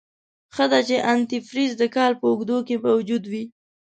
ښه ده چې انتي فریز دکال په اوږدو کې موجود وي.